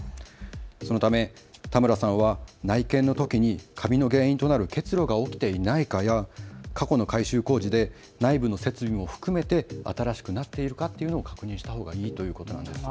そのため田村さんは内見のときにかびの原因となる結露が起きていないかや過去の改修工事で内部の設備も含めて新しくなっているかっていうのを確認したほうがいいということなんです。